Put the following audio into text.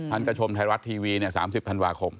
ท่านก็ชมไทยรัฐทีวี๓๐ธันวาคม